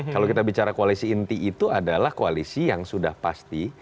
kalau kita bicara koalisi inti itu adalah koalisi yang sudah pasti